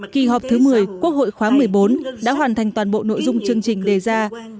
kỳ họp thứ một mươi quốc hội khóa một mươi bốn đã hoàn thành toàn bộ nội dung chương trình đề ra